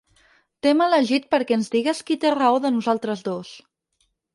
T'hem elegit perquè ens digues qui té raó de nosaltres dos.